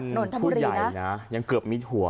นทมรีนะคุณผู้ใหญ่นะยังเกือบมีหัว